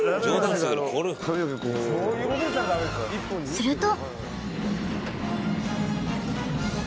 すると。